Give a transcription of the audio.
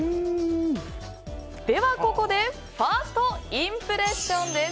ではここでファーストインプレッションです。